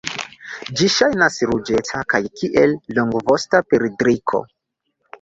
Ĝi ŝajnas ruĝeca kaj kiel longvosta perdriko.